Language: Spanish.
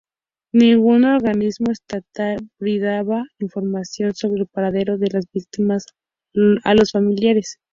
Ningún organismo estatal brindaba información sobre el paradero de las víctimas a los familiares.